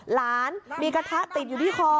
หลานมีกระทะติดอยู่ที่คอ